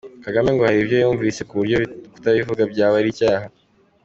Kagame ngo hari ibyo yumvise ku buryo kutabivuga byaba ari icyaha